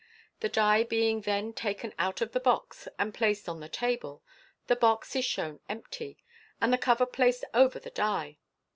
The die being then taken out of the box, and placed on the table, the box is shown empty, and the cover placed over the die.